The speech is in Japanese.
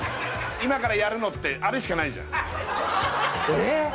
今からやるのってあれしかないじゃんえっ？